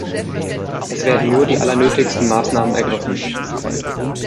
Es werden nur die allernötigsten Maßnahmen ergriffen.